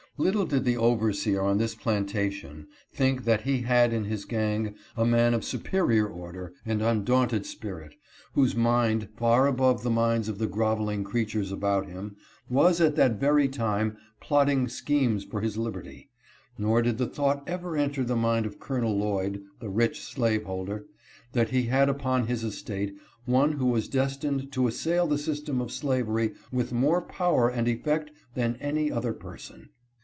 Little did the overseer on this plantation think that he had in his gang a man of superior order and un daunted spirit, whose mind, far above the minds of the grovelling creatures about him, was at that very time plotting schemes for his liberty ; nor did the thought ever enter the mind of Col. Lloyd, the rich slaveholder, that he had upon his estate one who was des tined to assail the system of slavery with more power and effect than any other person.